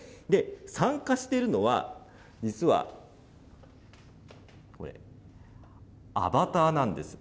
参加しているのは、実はこれ、アバターなんです。